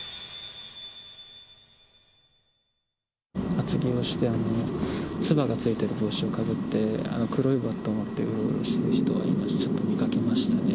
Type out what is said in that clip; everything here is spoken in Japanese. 厚着をして、つばがついてる帽子をかぶって、黒いバットを持って、うろうろしている人はちょっと見かけましたね。